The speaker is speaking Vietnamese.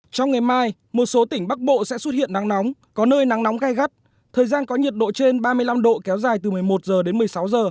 trong ngày mai một số tỉnh bắc bộ sẽ xuất hiện nắng nóng có nơi nắng nóng gai gắt thời gian có nhiệt độ trên ba mươi năm độ kéo dài từ một mươi một h đến một mươi sáu h